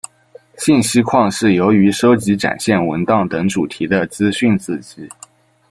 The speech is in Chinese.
信息框是由于收集展现文档等主题的资讯子集。